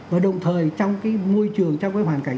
và đồng thời trong cái môi trường trong cái hoàn cảnh